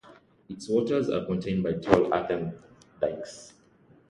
Its waters are contained by tall earthen dikes.